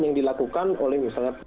yang dilakukan oleh misalnya